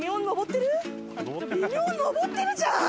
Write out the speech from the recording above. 微妙に登ってるじゃん！